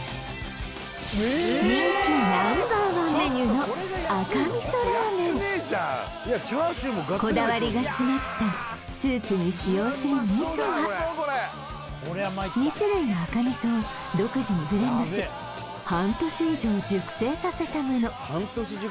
人気Ｎｏ．１メニューの赤味噌ラーメンこだわりが詰まったスープに使用する味噌は２種類の赤味噌を独自にブレンドし半年以上熟成させたもの